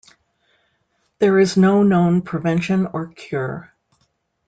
There is no known prevention or cure.